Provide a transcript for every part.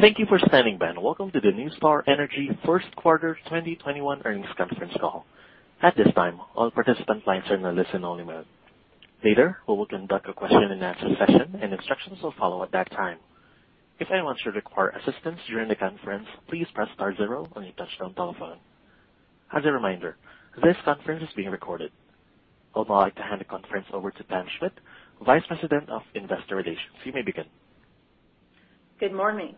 Thank you for standing by, and welcome to the NuStar Energy first quarter 2021 earnings conference call. At this time, all participant lines are in a listen-only mode. Later, we will conduct a question-and-answer session, and instructions will follow at that time. If anyone should require assistance during the conference, please press star zero on your touch-tone telephone. As a reminder, this conference is being recorded. I would now like to hand the conference over to Pam Schmidt, Vice President of Investor Relations. You may begin. Good morning,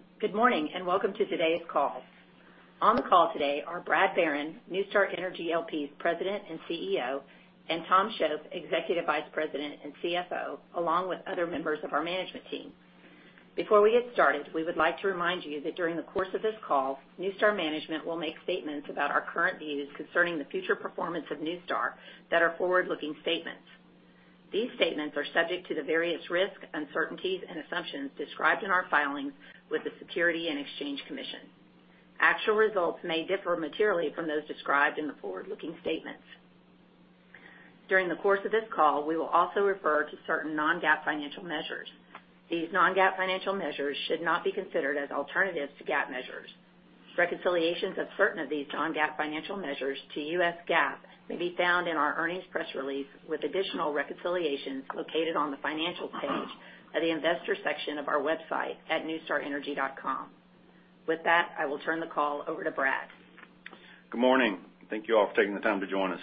and welcome to today's call. On the call today are Brad Barron, NuStar Energy L.P.'s President and CEO, and Tom Shoaf, Executive Vice President and CFO, along with other members of our management team. Before we get started, we would like to remind you that during the course of this call, NuStar management will make statements about our current views concerning the future performance of NuStar that are forward-looking statements. These statements are subject to the various risks, uncertainties, and assumptions described in our filings with the Securities and Exchange Commission. Actual results may differ materially from those described in the forward-looking statements. During the course of this call, we will also refer to certain non-GAAP financial measures. These non-GAAP financial measures should not be considered as alternatives to GAAP measures. Reconciliations of certain of these non-GAAP financial measures to U.S. GAAP may be found in our earnings press release, with additional reconciliations located on the Financial page of the Investor section of our website at nustarenergy.com. With that, I will turn the call over to Brad. Good morning. Thank you all for taking the time to join us.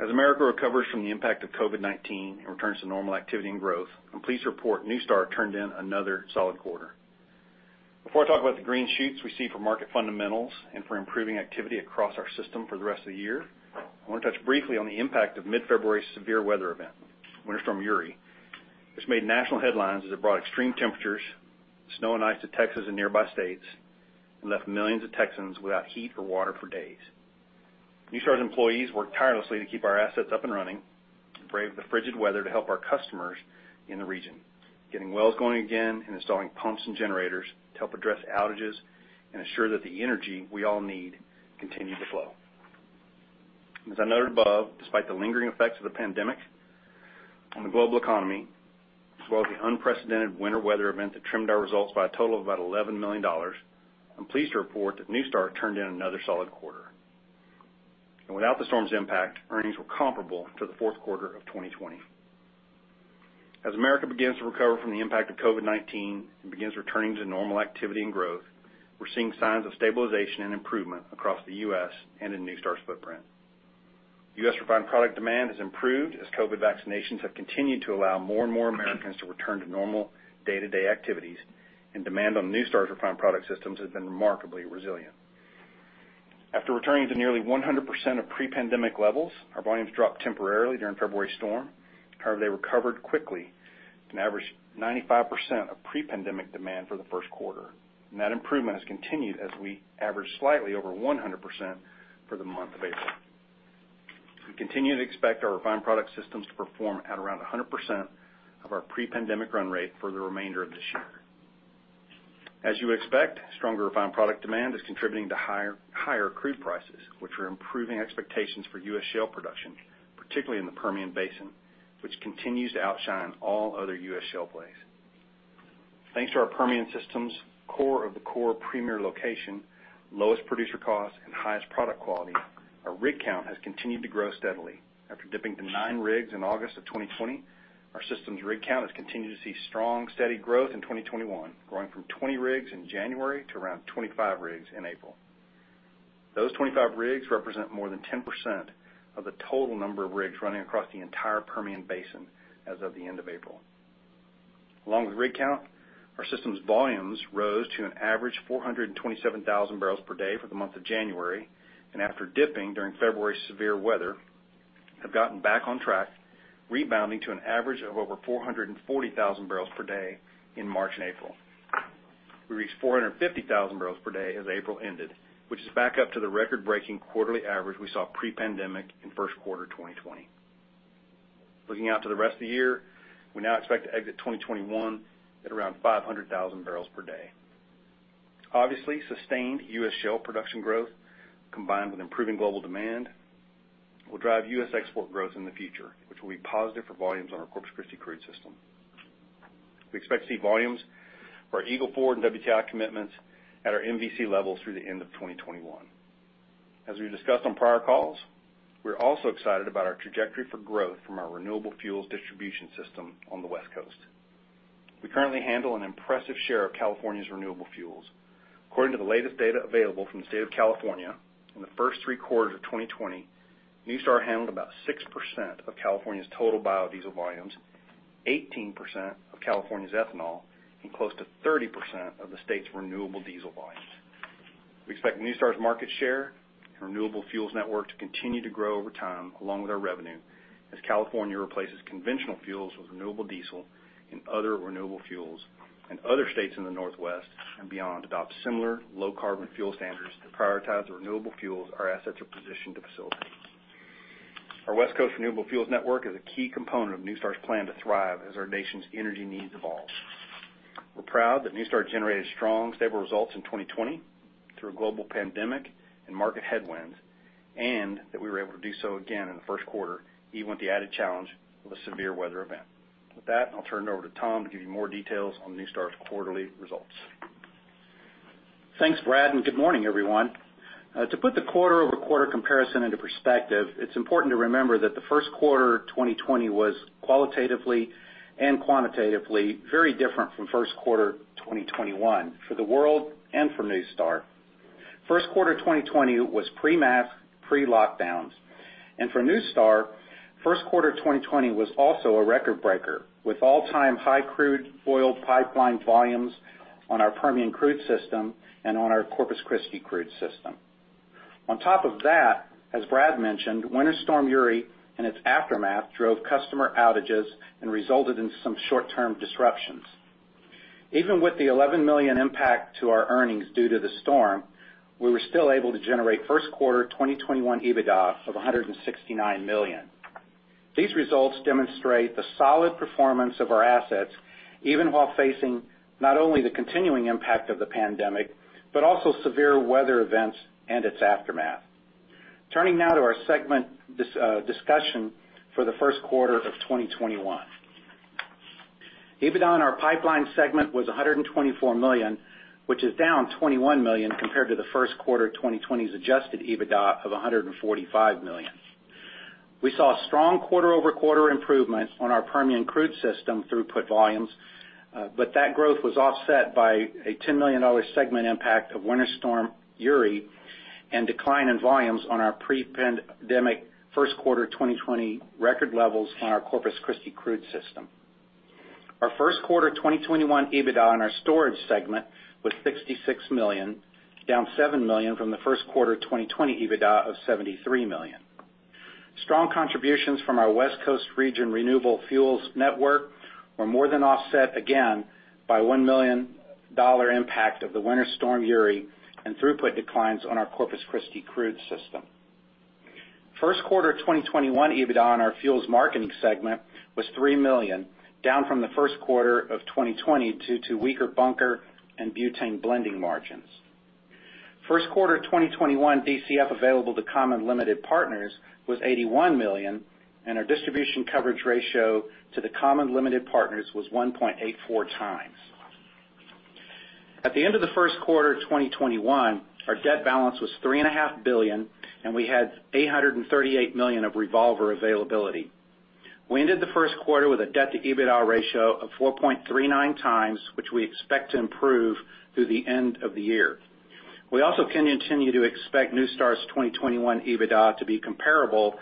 As America recovers from the impact of COVID-19 and returns to normal activity and growth, I'm pleased to report NuStar turned in another solid quarter. Before I talk about the green shoots we see for market fundamentals and for improving activity across our system for the rest of the year, I want to touch briefly on the impact of mid-February's severe weather event, Winter Storm Uri, which made national headlines as it brought extreme temperatures, snow, and ice to Texas and nearby states, and left millions of Texans without heat or water for days. NuStar's employees worked tirelessly to keep our assets up and running and braved the frigid weather to help our customers in the region, getting wells going again and installing pumps and generators to help address outages and ensure that the energy we all need continued to flow. As I noted above, despite the lingering effects of the pandemic on the global economy, as well as the unprecedented winter weather event that trimmed our results by a total of about $11 million, I'm pleased to report that NuStar turned in another solid quarter. Without the storm's impact, earnings were comparable to the fourth quarter of 2020. As America begins to recover from the impact of COVID-19 and begins returning to normal activity and growth, we're seeing signs of stabilization and improvement across the U.S. and in NuStar's footprint. U.S. refined product demand has improved as COVID vaccinations have continued to allow more and more Americans to return to normal day-to-day activities, and demand on NuStar's refined product systems has been remarkably resilient. After returning to nearly 100% of pre-pandemic levels, our volumes dropped temporarily during February's storm. They recovered quickly and averaged 95% of pre-pandemic demand for the first quarter, and that improvement has continued as we average slightly over 100% for the month of April. We continue to expect our refined product systems to perform at around 100% of our pre-pandemic run rate for the remainder of this year. As you would expect, stronger refined product demand is contributing to higher crude prices, which are improving expectations for U.S. shale production, particularly in the Permian Basin, which continues to outshine all other U.S. shale plays. Thanks to our Permian system's core of the core premier location, lowest producer cost, and highest product quality, our rig count has continued to grow steadily. After dipping to nine rigs in August of 2020, our system's rig count has continued to see strong, steady growth in 2021, growing from 20 rigs in January to around 25 rigs in April. Those 25 rigs represent more than 10% of the total number of rigs running across the entire Permian Basin as of the end of April. Along with rig count, our system's volumes rose to an average 427,000 barrels per day for the month of January, and after dipping during February's severe weather, have gotten back on track, rebounding to an average of over 440,000 barrels per day in March and April. We reached 450,000 barrels per day as April ended, which is back up to the record-breaking quarterly average we saw pre-pandemic in first quarter 2020. Looking out to the rest of the year, we now expect to exit 2021 at around 500,000 barrels per day. Obviously, sustained U.S. shale production growth, combined with improving global demand, will drive U.S. export growth in the future, which will be positive for volumes on our Corpus Christi crude system. We expect to see volumes for our Eagle Ford and WTI commitments at our MVC levels through the end of 2021. As we discussed on prior calls, we're also excited about our trajectory for growth from our renewable fuels distribution system on the West Coast. We currently handle an impressive share of California's renewable fuels. According to the latest data available from the state of California, in the first three quarters of 2020, NuStar handled about 6% of California's total biodiesel volumes, 18% of California's ethanol, and close to 30% of the state's renewable diesel volumes. We expect NuStar's market share and renewable fuels network to continue to grow over time, along with our revenue, as California replaces conventional fuels with renewable diesel and other renewable fuels, and other states in the Northwest and beyond adopt similar low-carbon fuel standards that prioritize the renewable fuels our assets are positioned to facilitate. Our West Coast renewable fuels network is a key component of NuStar's plan to thrive as our nation's energy needs evolve. We're proud that NuStar generated strong, stable results in 2020 through a global pandemic and market headwinds. That we were able to do so again in the first quarter, even with the added challenge of a severe weather event. With that, I'll turn it over to Tom to give you more details on NuStar's quarterly results. Thanks, Brad. Good morning, everyone. To put the quarter-over-quarter comparison into perspective, it's important to remember that the first quarter 2020 was qualitatively and quantitatively very different from first quarter 2021, for the world and for NuStar. First quarter 2020 was pre-mask, pre-lockdowns. For NuStar, first quarter 2020 was also a record-breaker, with all-time high crude oil pipeline volumes on our Permian crude system and on our Corpus Christi crude system. On top of that, as Brad mentioned, Winter Storm Uri and its aftermath drove customer outages and resulted in some short-term disruptions. Even with the $11 million impact to our earnings due to the storm, we were still able to generate first quarter 2021 EBITDA of $169 million. These results demonstrate the solid performance of our assets, even while facing not only the continuing impact of the pandemic, but also severe weather events and its aftermath. Turning now to our segment discussion for the first quarter of 2021. EBITDA on our pipeline segment was $124 million, which is down $21 million compared to the first quarter 2020's adjusted EBITDA of $145 million. That growth was offset by a $10 million segment impact of Winter Storm Uri and decline in volumes on our pre-pandemic first quarter 2020 record levels on our Corpus Christi crude system. Our first quarter 2021 EBITDA on our storage segment was $66 million, down $7 million from the first quarter 2020 EBITDA of $73 million. Strong contributions from our West Coast region renewable fuels network were more than offset, again, by $1 million impact of the Winter Storm Uri and throughput declines on our Corpus Christi crude system. First quarter 2021 EBITDA on our fuels marketing segment was $3 million, down from the first quarter of 2020 due to weaker bunker and butane blending margins. First quarter 2021 DCF available to common limited partners was $81 million, and our distribution coverage ratio to the common limited partners was 1.84x. At the end of the first quarter 2021, our debt balance was $3.5 billion, and we had $838 million of revolver availability. We ended the first quarter with a debt-to-EBITDA ratio of 4.39x, which we expect to improve through the end of the year. We also can continue to expect NuStar's 2021 EBITDA to be comparable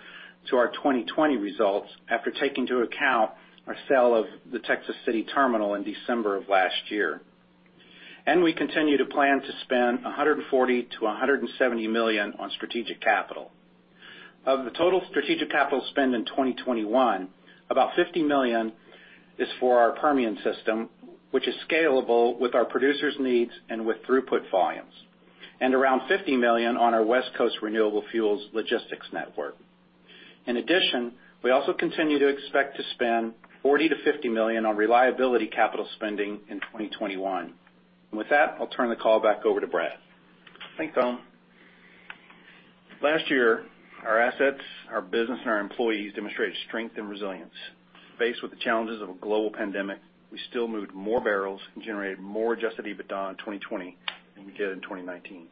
to our 2020 results after taking into account our sale of the Texas City terminal in December of last year. We continue to plan to spend $140 million-$170 million on strategic capital. Of the total strategic capital spend in 2021, about $50 million is for our Permian system, which is scalable with our producers' needs and with throughput volumes, and around $50 million on our West Coast renewable fuels logistics network. In addition, we also continue to expect to spend $40 million-$50 million on reliability capital spending in 2021. With that, I'll turn the call back over to Brad. Thanks, Tom. Last year, our assets, our business, and our employees demonstrated strength and resilience. Faced with the challenges of a global pandemic, we still moved more barrels and generated more adjusted EBITDA in 2020 than we did in 2019.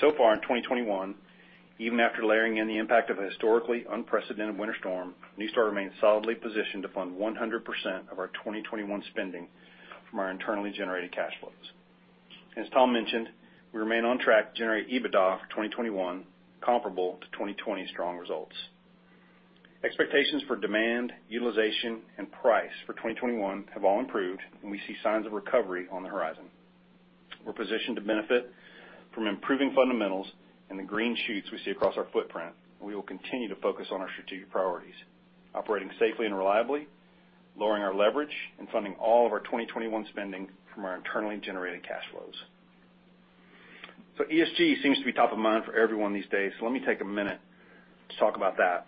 So far in 2021, even after layering in the impact of a historically unprecedented winter storm, NuStar remains solidly positioned to fund 100% of our 2021 spending from our internally generated cash flows. As Tom mentioned, we remain on track to generate EBITDA for 2021 comparable to 2020's strong results. Expectations for demand, utilization, and price for 2021 have all improved. We see signs of recovery on the horizon. We're positioned to benefit from improving fundamentals and the green shoots we see across our footprint, we will continue to focus on our strategic priorities: operating safely and reliably, lowering our leverage, and funding all of our 2021 spending from our internally generated cash flows. ESG seems to be top of mind for everyone these days, so let me take a minute to talk about that.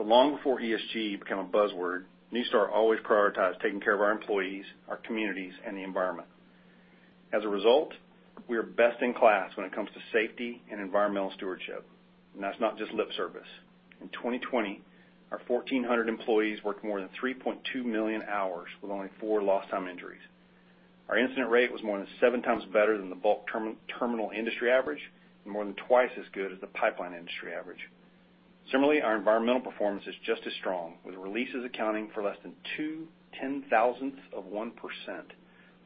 Long before ESG became a buzzword, NuStar always prioritized taking care of our employees, our communities, and the environment. As a result, we are best in class when it comes to safety and environmental stewardship, that's not just lip service. In 2020, our 1,400 employees worked more than 3.2 million hours with only four lost time injuries. Our incident rate was more than seven times better than the bulk terminal industry average and more than twice as good as the pipeline industry average. Similarly, our environmental performance is just as strong, with releases accounting for less than 2/10,000 of 1%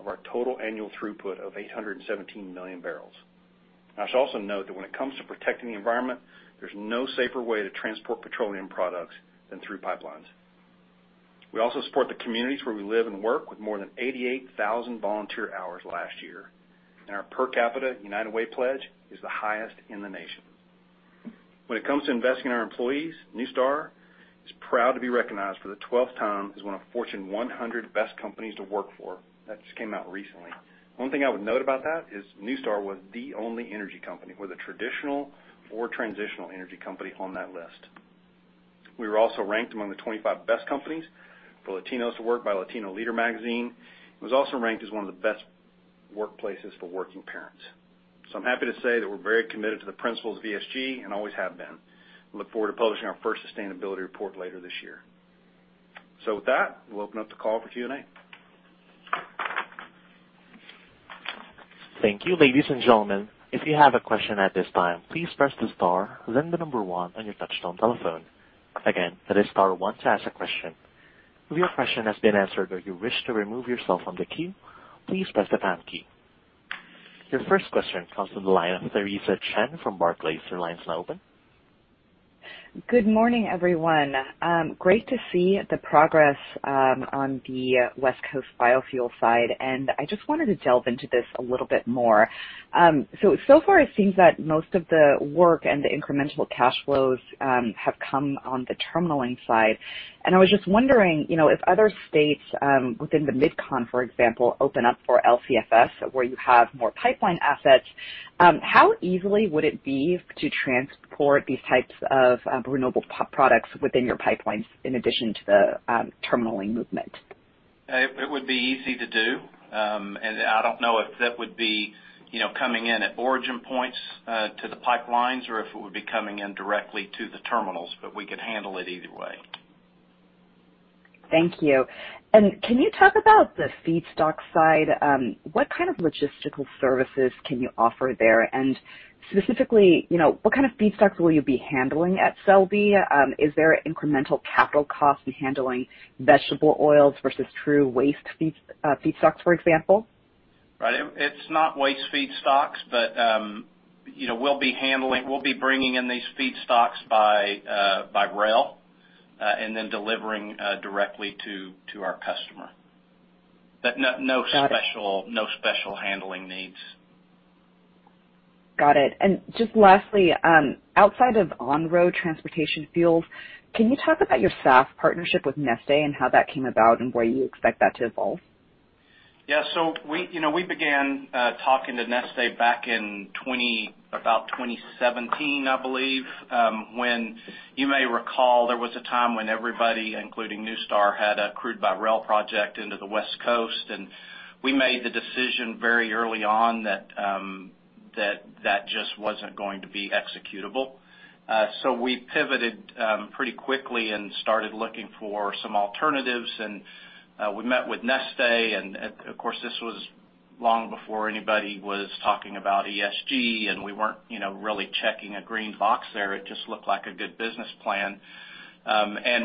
of our total annual throughput of 817 million barrels. I should also note that when it comes to protecting the environment, there's no safer way to transport petroleum products than through pipelines. We also support the communities where we live and work with more than 88,000 volunteer hours last year. Our per capita United Way pledge is the highest in the nation. When it comes to investing in our employees, NuStar is proud to be recognized for the 12th time as one of Fortune 100 Best Companies to Work For®. That just came out recently. One thing I would note about that is NuStar was the only energy company, whether traditional or transitional energy company, on that list. We were also ranked among the 25 best companies for Latinos to work by Latino Leaders Magazine. It was also ranked as one of the best workplaces for working parents. I'm happy to say that we're very committed to the principles of ESG and always have been. We look forward to publishing our first sustainability report later this year. With that, we'll open up the call for Q&A. Thank you. Ladies and gentlemen, if you have a question at this time, please press the star, then the number one on your touchtone telephone. Again, that is star one to ask a question. If your question has been answered or you wish to remove yourself from the queue, please press the pound key. Your first question comes from the line of Theresa Chen from Barclays. Your line's now open. Good morning, everyone. Great to see the progress on the West Coast biofuel side. I just wanted to delve into this a little bit more. So far it seems that most of the work and the incremental cash flows have come on the terminalling side. I was just wondering, if other states within the MidCon, for example, open up for LCFS, where you have more pipeline assets, how easily would it be to transport these types of renewable products within your pipelines in addition to the terminalling movement? It would be easy to do. I don't know if that would be coming in at origin points to the pipelines or if it would be coming in directly to the terminals. We could handle it either way. Thank you. Can you talk about the feedstock side? What kind of logistical services can you offer there? Specifically, what kind of feedstocks will you be handling at Selby? Is there incremental capital cost in handling vegetable oils versus true waste feedstocks, for example? Right. It's not waste feedstocks, but we'll be bringing in these feedstocks by rail, and then delivering directly to our customer. Got it. no special handling needs. Got it. Just lastly, outside of on-road transportation fuels, can you talk about your SAF partnership with Neste and how that came about and where you expect that to evolve? Yeah. We began talking to Neste back in about 2017, I believe. When you may recall, there was a time when everybody, including NuStar, had a crude by rail project into the West Coast. We made the decision very early on that just wasn't going to be executable. We pivoted pretty quickly and started looking for some alternatives, and we met with Neste. Of course, this was long before anybody was talking about ESG, and we weren't really checking a green box there. It just looked like a good business plan.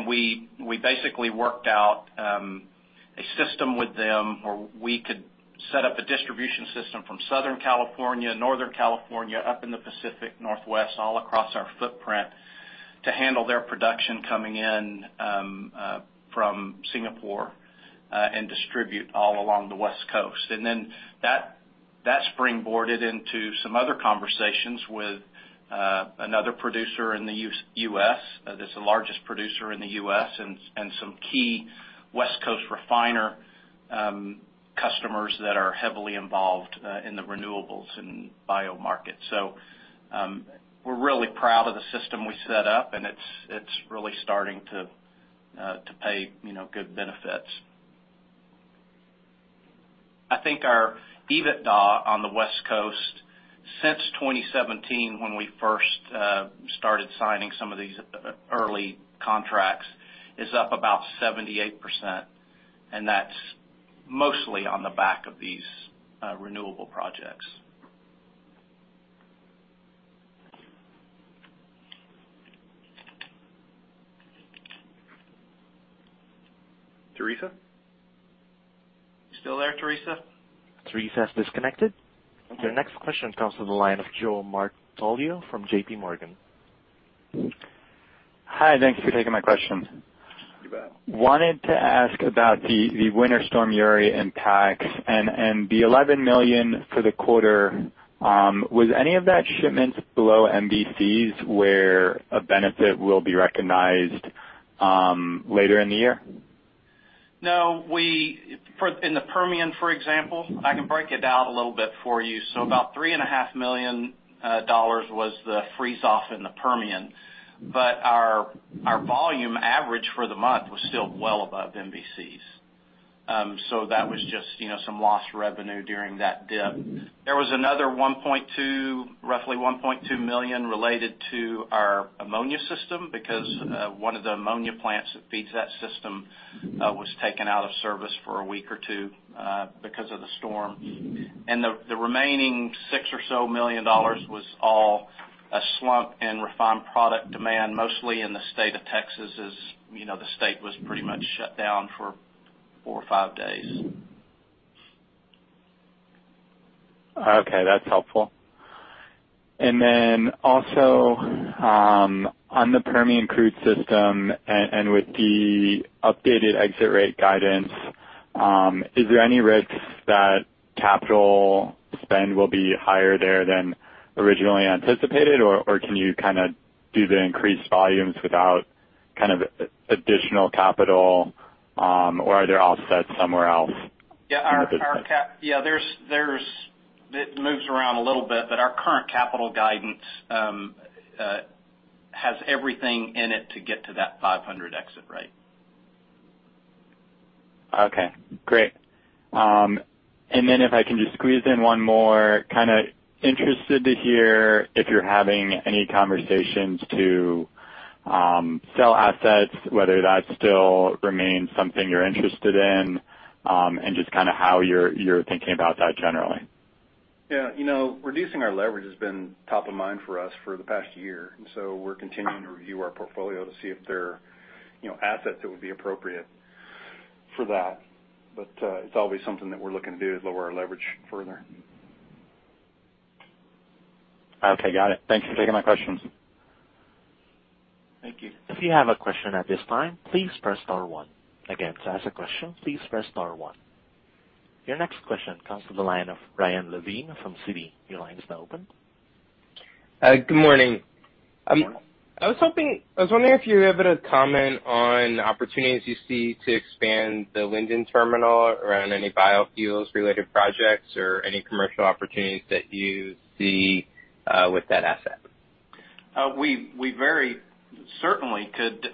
We basically worked out a system with them where we could set up a distribution system from Southern California, Northern California, up in the Pacific Northwest, all across our footprint to handle their production coming in from Singapore, and distribute all along the West Coast. That springboarded into some other conversations with another producer in the U.S., that's the largest producer in the U.S., and some key West Coast refiner customers that are heavily involved in the renewables and bio markets. We're really proud of the system we set up, and it's really starting to pay good benefits. I think our EBITDA on the West Coast since 2017, when we first started signing some of these early contracts, is up about 78%, and that's mostly on the back of these renewable projects. Theresa? You still there, Theresa? Theresa's disconnected. Okay. Your next question comes to the line of Joe Martoglio from JPMorgan. Hi, thank you for taking my question. Wanted to ask about the Winter Storm Uri impacts and the $11 million for the quarter. Was any of that shipments below MVCs where a benefit will be recognized later in the year? No. In the Permian, for example, I can break it down a little bit for you. About $3.5 million was the freeze-off in the Permian. Our volume average for the month was still well above MVCs. That was just some lost revenue during that dip. There was another roughly $1.2 million related to our ammonia system because one of the ammonia plants that feeds that system was taken out of service for a week or two because of the storm. The remaining six or so million USD was all a slump in refined product demand, mostly in the state of Texas, as the state was pretty much shut down for four or five days. Okay, that's helpful. Also, on the Permian crude system and with the updated exit rate guidance, is there any risk that capital spend will be higher there than originally anticipated, or can you do the increased volumes without additional capital, or are there offsets somewhere else? Yeah. It moves around a little bit, but our current capital guidance has everything in it to get to that 500 exit rate. Okay, great. If I can just squeeze in one more, kind of interested to hear if you're having any conversations to sell assets, whether that still remains something you're interested in, and just how you're thinking about that generally. Reducing our leverage has been top of mind for us for the past year. We're continuing to review our portfolio to see if there are assets that would be appropriate for that. It's always something that we're looking to do to lower our leverage further. Okay, got it. Thank you for taking my questions. Thank you. If you have a question at this time, please press star one. Again, to ask a question, please press star one. Your next question comes from the line of Ryan Levine from Citi. Your line is now open. Good morning. Good morning. I was wondering if you have a comment on opportunities you see to expand the Linden terminal around any biofuels-related projects or any commercial opportunities that you see with that asset. We very certainly could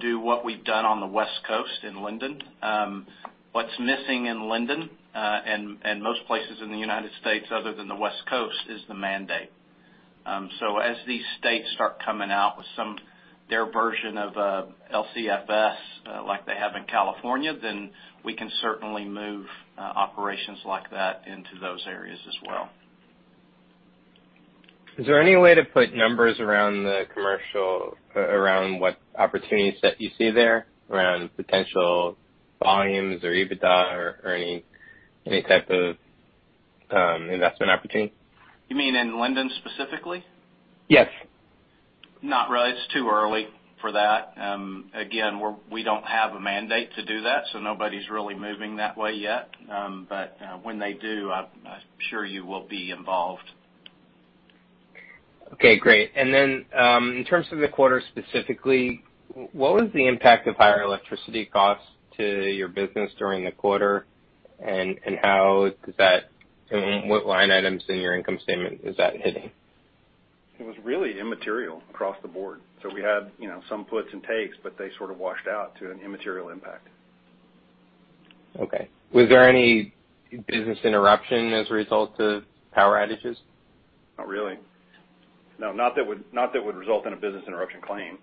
do what we've done on the West Coast in Linden. What's missing in Linden, and most places in the U.S. other than the West Coast, is the mandate. As these states start coming out with their version of LCFS, like they have in California, then we can certainly move operations like that into those areas as well. Is there any way to put numbers around what opportunities that you see there around potential volumes or EBITDA or any type of investment opportunity? You mean in Linden specifically? Yes. Not really. It's too early for that. Again, we don't have a mandate to do that, so nobody's really moving that way yet. When they do, I'm sure you will be involved. Okay, great. In terms of the quarter specifically, what was the impact of higher electricity costs to your business during the quarter, and what line items in your income statement is that hitting? It was really immaterial across the board. We had some puts and takes, but they sort of washed out to an immaterial impact. Okay. Was there any business interruption as a result of power outages? Not really. No, not that would result in a business interruption claim.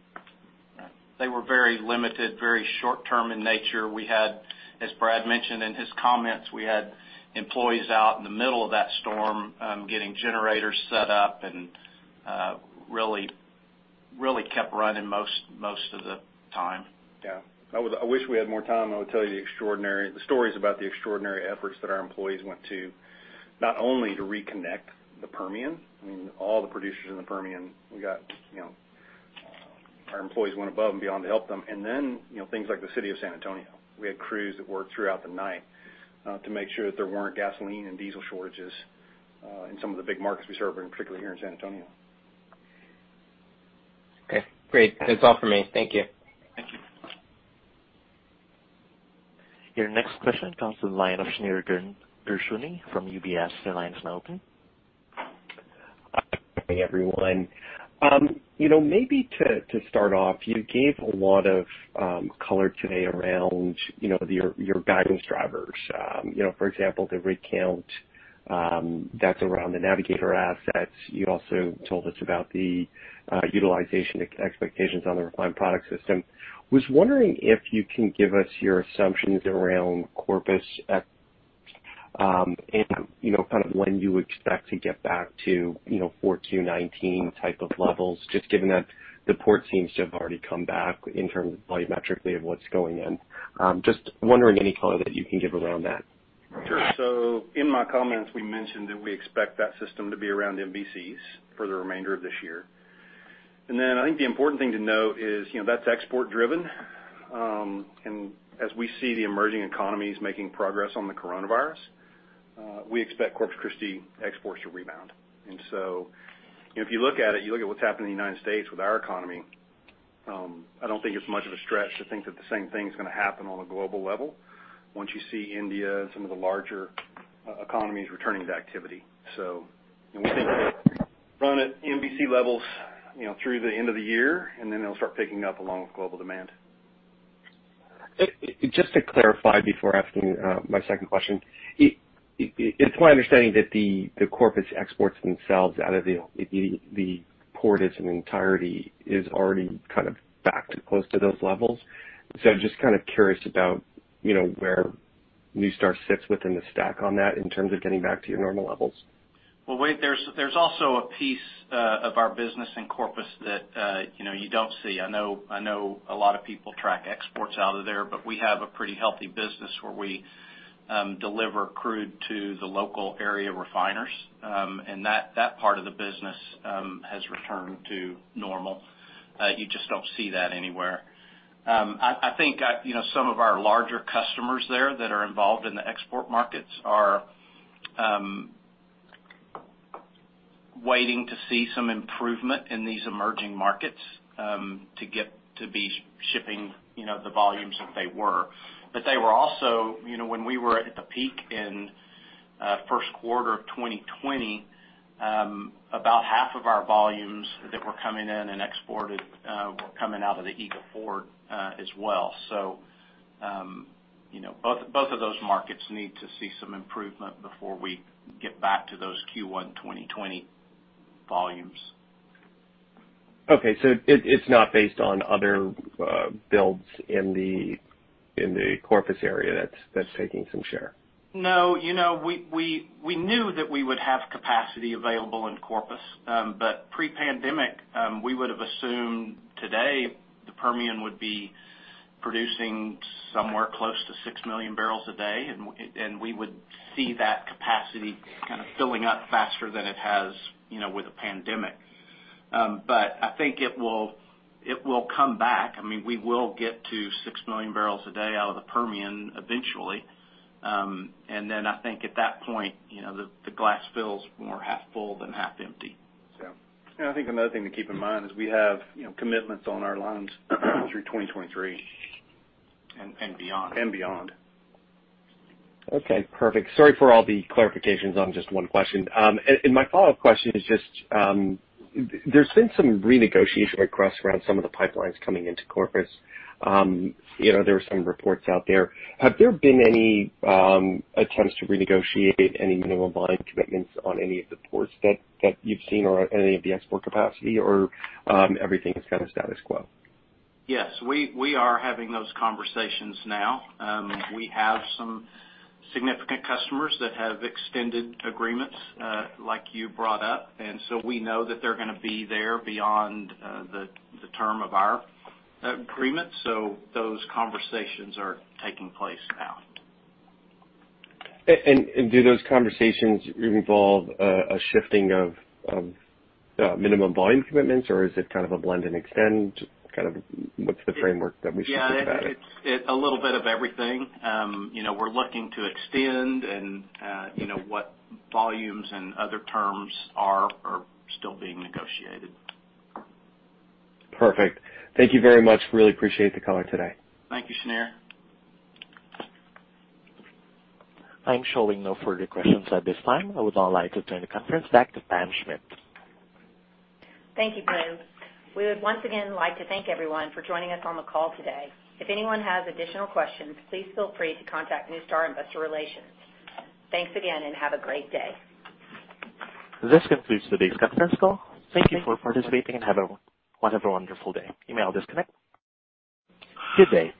Right. They were very limited, very short-term in nature. As Brad mentioned in his comments, we had employees out in the middle of that storm getting generators set up and really kept running most of the time. Yeah. I wish we had more time. I would tell you the stories about the extraordinary efforts that our employees went to, not only to reconnect the Permian. I mean, all the producers in the Permian, our employees went above and beyond to help them. Things like the city of San Antonio. We had crews that worked throughout the night to make sure that there weren't gasoline and diesel shortages in some of the big markets we serve, and particularly here in San Antonio. Okay, great. That's all for me. Thank you. Thank you. Your next question comes from the line of Shneur Gershuni from UBS. Your line is now open. Good morning, everyone. Maybe to start off, you gave a lot of color today around your guidance drivers. For example, the rig count that's around the Navigator assets. You also told us about the utilization expectations on the refined product system. Was wondering if you can give us your assumptions around Corpus and when you expect to get back to Q4 2019 type of levels, just given that the port seems to have already come back in terms of volumetrically of what's going in. Just wondering any color that you can give around that. Sure. In my comments, we mentioned that we expect that system to be around MVCs for the remainder of this year. I think the important thing to note is, that's export driven. As we see the emerging economies making progress on the coronavirus, we expect Corpus Christi exports to rebound. If you look at it, you look at what's happening in the U.S. with our economy, I don't think it's much of a stretch to think that the same thing's going to happen on a global level once you see India and some of the larger economies returning to activity. We think it will run at MVC levels through the end of the year, and then it'll start picking up along with global demand. Just to clarify before asking my second question, it's my understanding that the Corpus exports themselves out of the port as an entirety is already kind of back to close to those levels. Just kind of curious about where NuStar sits within the stack on that in terms of getting back to your normal levels. Well, Shneur, there's also a piece of our business in Corpus that you don't see. I know a lot of people track exports out of there. We have a pretty healthy business where we deliver crude to the local area refiners. That part of the business has returned to normal. You just don't see that anywhere. I think some of our larger customers there that are involved in the export markets are waiting to see some improvement in these emerging markets to be shipping the volumes that they were. They were also, when we were at the peak in first quarter of 2020, about half of our volumes that were coming in and exported were coming out of the Eagle Ford as well. Both of those markets need to see some improvement before we get back to those Q1 2020 volumes. Okay, it's not based on other builds in the Corpus area that's taking some share? No. We knew that we would have capacity available in Corpus. Pre-pandemic, we would've assumed today the Permian would be producing somewhere close to 6 million barrels a day, and we would see that capacity kind of filling up faster than it has with the pandemic. I think it will come back. We will get to 6 million barrels a day out of the Permian eventually. I think at that point, the glass fills more half full than half empty.. I think another thing to keep in mind is we have commitments on our lines through 2023. Beyond. Beyond. Okay, perfect. Sorry for all the clarifications on just one question. My follow-up question is just, there's been some renegotiation around some of the pipelines coming into Corpus. There were some reports out there. Have there been any attempts to renegotiate any minimum volume commitments on any of the ports that you've seen or any of the export capacity, or everything is kind of status quo? Yes, we are having those conversations now. We have some significant customers that have extended agreements, like you brought up. We know that they're going to be there beyond the term of our agreement. Those conversations are taking place now. Do those conversations involve a shifting of minimum volume commitments, or is it kind of a blend and extend? What's the framework that we should think about it? Yeah. It's a little bit of everything. We're looking to extend and what volumes and other terms are still being negotiated. Perfect. Thank you very much. Really appreciate the color today. Thank you, Shneur Gershuni. I'm showing no further questions at this time. I would now like to turn the conference back to Pam Schmidt. Thank you, operator. We would once again like to thank everyone for joining us on the call today. If anyone has additional questions, please feel free to contact NuStar Investor Relations. Thanks again, and have a great day. This concludes today's conference call. Thank you for participating and have a wonderful day. You may all disconnect. Good day.